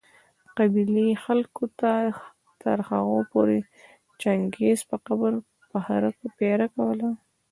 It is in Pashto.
د قبېلې خلکو تر هغو پوري د چنګېز په قبر پهره کوله